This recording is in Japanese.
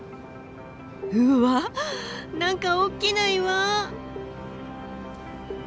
うわっ何か大きな岩！